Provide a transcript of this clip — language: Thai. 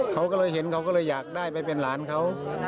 เขาก็เลยเห็นเขาก็เลยอยากได้ไปเป็นหลานเขา